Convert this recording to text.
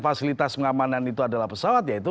fasilitas pengamanan itu adalah pesawat ya itu